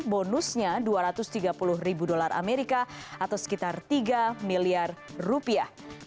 bonusnya dua ratus tiga puluh ribu dolar amerika atau sekitar tiga miliar rupiah